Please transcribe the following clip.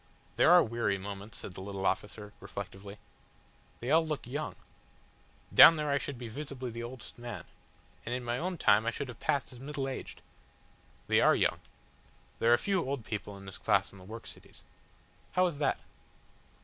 "There are weary moments," said the little officer, reflectively. "They all look young. Down there I should be visibly the oldest man. And in my own time I should have passed as middle aged." "They are young. There are few old people in this class in the work cities." "How is that?"